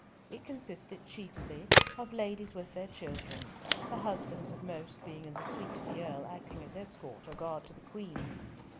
It chiefly consisted of ladies with their children, the husbands of most being in the suite of the Earl acting as escort or guard to the Queen.